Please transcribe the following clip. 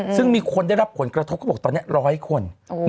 ซึ่งมีคนได้รับผลกระทบเขาบอกตอนนี้๑๐๐คน